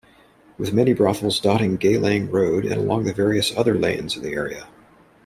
With many brothels dotting Geylang Road and along various other lanes in the area.